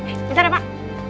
eh bentar ya pak